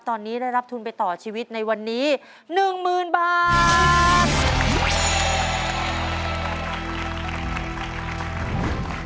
ตอนนี้ได้รับทุนไปต่อชีวิตในวันนี้๑๐๐๐บาท